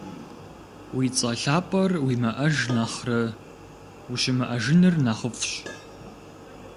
Уи цIэ лъапIэр уимыIэж нэхърэ ущымыIэжыныр нэхъыфIщ.